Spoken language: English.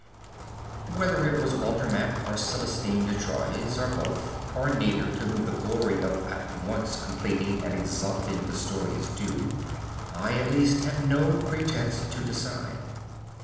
] "Whether it was Walter Map, or Chrestien de Troyes, or both, or neither to whom the glory of at once completing and exalting the story is due, I at least have no pretension to decide.